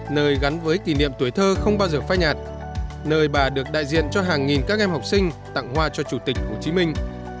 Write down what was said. nơi gắn với kỷ niệm tuổi thơ không bao giờ phai nhạt nơi bà được đại diện cho hàng nghìn các em học sinh tặng hoa cho chủ tịch hồ chí minh